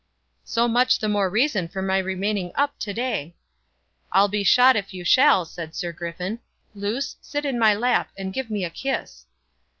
"So much the more reason for my remaining up to day." "I'll be shot if you shall," said Sir Griffin. "Luce, sit in my lap, and give me a kiss."